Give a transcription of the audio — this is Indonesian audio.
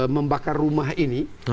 membakar rumah ini